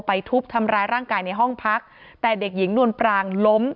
ทุบทำร้ายร่างกายในห้องพักแต่เด็กหญิงนวลปรางล้ม